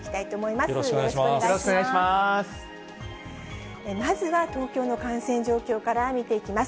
まずは東京の感染状況から見ていきます。